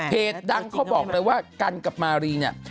ดังเขาบอกเลยว่ากันกับมารีเนี่ย